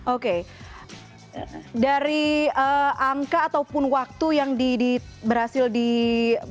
oke dari angka ataupun waktu yang berhasil di